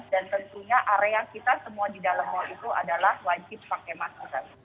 dan tentunya area kita semua di dalam mal itu adalah wajib pakai mask